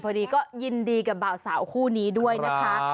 พอดีก็ยินดีกับบ่าวสาวคู่นี้ด้วยนะคะ